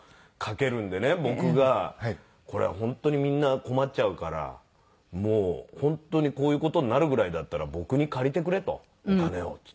僕が「これ本当にみんな困っちゃうからもう本当にこういう事になるぐらいだったら僕に借りてくれ」と「お金を」って言って。